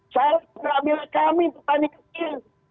sawit bukan milik kami petani kecil